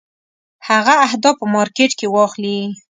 هغه اهداف په مارکېټ کې واخلي.